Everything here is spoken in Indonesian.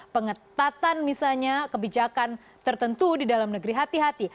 pengetatan misalnya kebijakan tertentu di dalam negeri hati hati